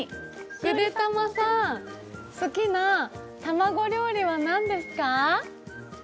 ぐでたまさん、好きな卵料理は何ですか？